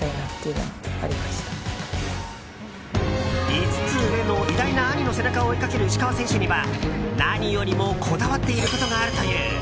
５つ上の偉大な兄の背中を追いかける石川選手には何よりもこだわっていることがあるという。